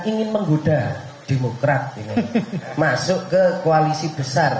ingin menggoda demokrat ini masuk ke koalisi besar